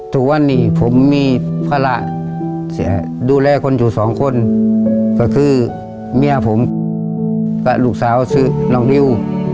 ทุกวันนี้ผมมีภาระดูแลคนอยู่สองคนก็คือเมียผมกับลูกสาวชื่อน้องนิว